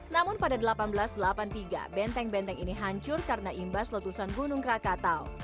namun pada seribu delapan ratus delapan puluh tiga benteng benteng ini hancur karena imbas letusan gunung krakatau